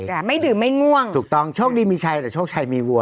แต่ไม่ดื่มไม่ง่วงถูกต้องโชคดีมีชัยแต่โชคชัยมีวัว